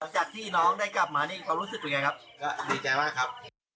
จากที่น้องได้กลับมานี่เขารู้สึกยังไงครับก็ดีใจมากครับ